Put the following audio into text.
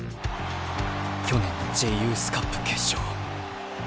去年のＪユースカップ決勝。